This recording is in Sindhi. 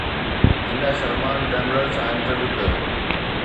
هن سلمان ڊيمرل سان انٽرويو ڪيو.